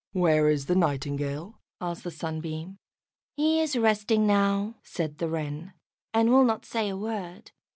"Where is the Nightingale?" asked the Sunbeam. "He is resting now," said the Wren, "and will not say a word.